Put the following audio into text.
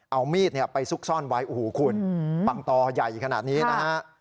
เอามีดไปซุกซ่อนไว้โอ้โหคุณปังตอใหญ่ขนาดนี้นะฮะ